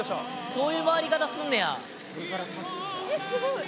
そういう回り方すんねや！